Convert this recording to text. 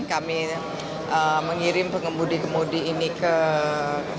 kami mengirim pengemudi kemudi ini ke